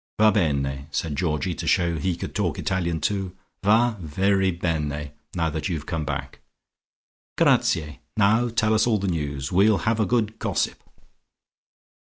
"Va bene," said Georgie to show he could talk Italian too. "Va very bene now that you've come back." "Grazie! Now tell us all the news. We'll have a good gossip."